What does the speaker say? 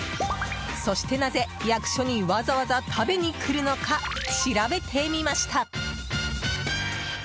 そして、なぜ役所にわざわざ食べにくるのか調べてみました。